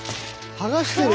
はがしてる！